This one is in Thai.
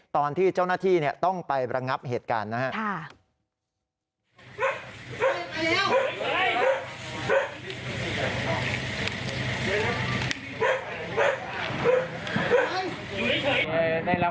ตอนที่เจ้าหน้าที่ต้องไประงับเหตุการณ์นะครับ